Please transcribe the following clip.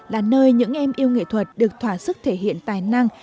là nơi những em yêu nghệ thuật được thỏa sức thể hiện tài năng